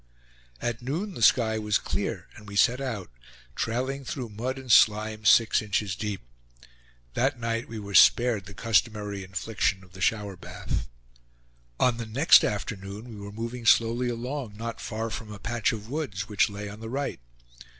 At noon the sky was clear and we set out, trailing through mud and slime six inches deep. That night we were spared the customary infliction of the shower bath. On the next afternoon we were moving slowly along, not far from a patch of woods which lay on the right.